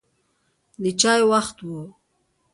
د چای وخت و.